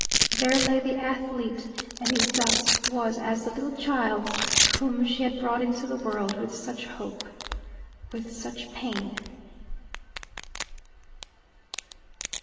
There lay the athlete, and his dust was as the little child's whom she had brought into the world with such hope, with such pain.